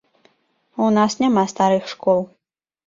У нас няма старых школ.